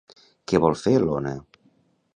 Què vol fer l'Ona?